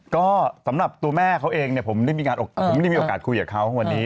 ก็สำหรับตัวแม่เขาเองเนี่ยผมไม่ได้มีโอกาสคุยกับเขาวันนี้